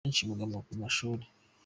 Abenshi bugama ku mashuri.